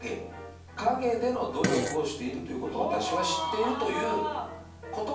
陰での努力をしているということを私は知っているということかもしれませんよね。